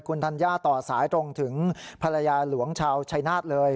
คุณธัญญาต่อสายตรงถึงภรรยาหลวงชาวชายนาฏเลย